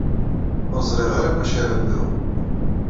Ur ẓṛiɣ ara g acu ara bduɣ.